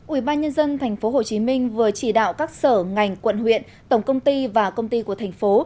ủy ban nhân dân tp hcm vừa chỉ đạo các sở ngành quận huyện tổng công ty và công ty của thành phố